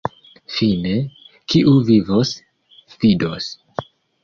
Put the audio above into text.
Fine, kiu vivos, vidos.